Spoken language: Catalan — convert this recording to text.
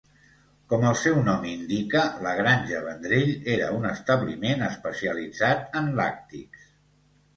Com el seu nom indica, la Granja Vendrell era un establiment especialitzat en làctics.